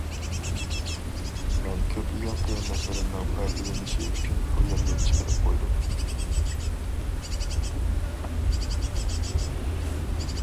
مەن كۆپلىگەن قېرىنداشلىرىمنىڭ پايدىلىنىشى ئۈچۈن بۇ يەرگە چىقىرىپ قويدۇم.